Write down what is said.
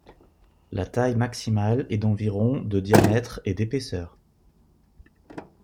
La taille maximale est d'environ de diamètre et d'épaisseur.